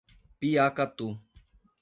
Piacatu